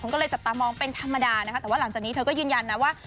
ก็เลยจับตามองเป็นธรรมดานะคะแต่ว่าหลังจากนี้เธอก็ยืนยันนะว่า